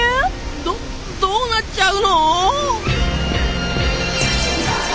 どどうなっちゃうの？